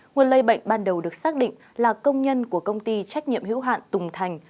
nguồn lây bệnh ban đầu được xác định là công nhân của công ty trách nhiệm hữu hạn tùng thành